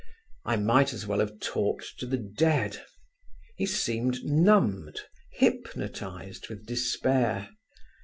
I might as well have talked to the dead: he seemed numbed, hypnotised with despair.